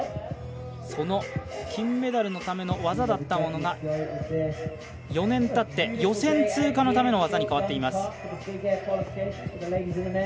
その金メダルのための技だったものが４年たって予選通過のための技に変わっています。